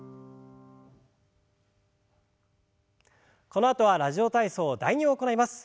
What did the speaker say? このあとは「ラジオ体操第２」を行います。